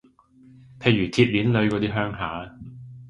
譬如鐵鍊女嗰啲鄉下